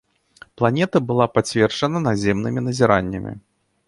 Планета была пацверджана наземнымі назіраннямі.